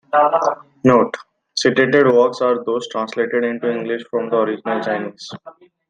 Note: cited works are those translated into English from the original Chinese.